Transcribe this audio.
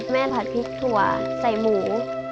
ผัดพริกถั่วใส่หมู